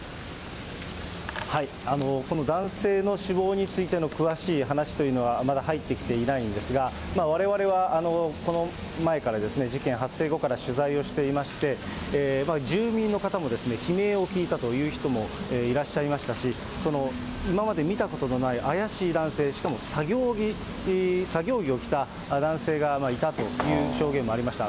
この男性の死亡についての詳しい話というのは、まだ入ってきていないんですが、われわれはこの前からですね、事件発生後から取材をしていまして、住民の方も、悲鳴を聞いたという人もいらっしゃいましたし、今まで見たことのない怪しい男性、しかも作業着を着た男性がいたという証言もありました。